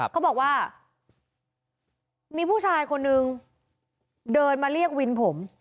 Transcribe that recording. เขาบอกว่ามีผู้ชายคนนึงเดินมาเรียกวินผม